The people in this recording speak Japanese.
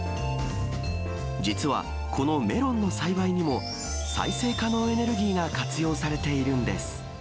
実は、このメロンの栽培にも、再生可能エネルギーが活用されているんです。